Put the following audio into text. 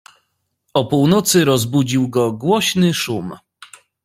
"O północy rozbudził go głośny szum."